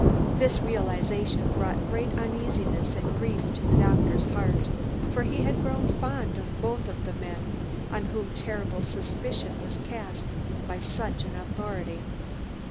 This realisation brought great uneasiness and grief to the doctor's heart, for he had grown fond of both of the men on whom terrible suspicion was cast by such an authority.